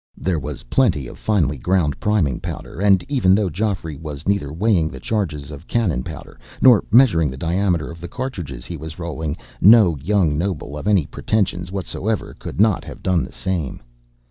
There was plenty of finely ground priming powder, and even though Geoffrey was neither weighing the charges of cannon powder nor measuring the diameter of the cartridges he was rolling, no young noble of any pretensions whatsoever could not have done the same.